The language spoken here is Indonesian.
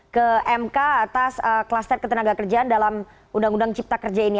ke mk atas kluster ketenaga kerjaan dalam undang undang cipta kerja ini